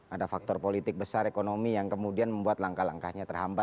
ada faktor politik besar ekonomi yang kemudian membuat langkah langkahnya terhambat